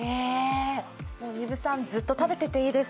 丹生さん、ずっと食べてていいです。